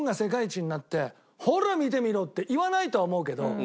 ほら見てみろ！って言わないとは思うけど。